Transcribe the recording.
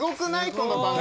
この番組。